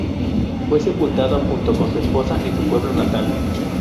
Fue sepultado junto con su esposa en su pueblo natal.